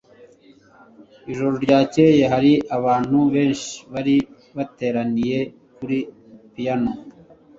ijoro ryakeye hari abantu benshi bari bateraniye kuri piyano